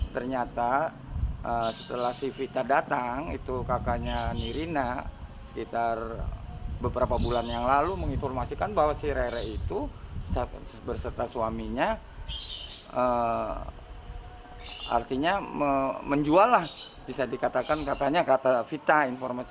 ternyata setelah si vita datang itu kakaknya nirina sekitar beberapa bulan yang lalu menginformasikan bahwa si rere itu berserta suaminya artinya menjual lah bisa dikatakan katanya kata vita informasi